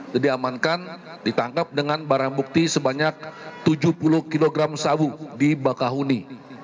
jadi amankan ditangkap dengan barang bukti sebanyak tujuh puluh kg sabu di bakahuni